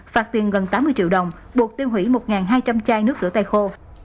phạt tiền gần tám mươi triệu đồng buộc tiêu hủy một hai trăm linh chai nước rửa tay khô